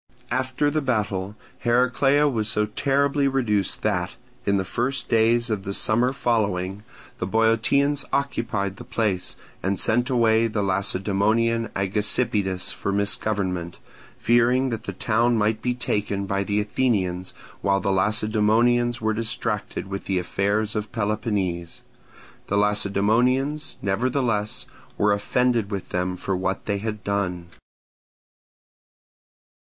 After the battle, Heraclea was so terribly reduced that in the first days of the summer following the Boeotians occupied the place and sent away the Lacedaemonian Agesippidas for misgovernment, fearing that the town might be taken by the Athenians while the Lacedaemonians were distracted with the affairs of Peloponnese. The Lacedaemonians, nevertheless, were offended with them for what they had done.